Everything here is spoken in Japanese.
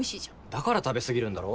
だから食べ過ぎるんだろ？